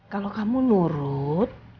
kalau kamu nurut